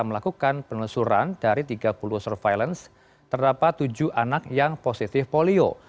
melakukan penelusuran dari tiga puluh surveillance terdapat tujuh anak yang positif polio